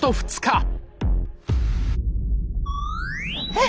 えっ？